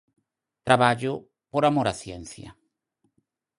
Traballo 'por amor á ciencia'.